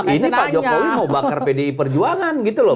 ini pak jokowi mau bakar pdi perjuangan gitu loh